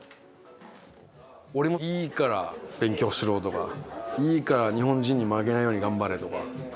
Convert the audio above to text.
俺もいいから勉強しろとかいいから日本人に負けないように頑張れとか。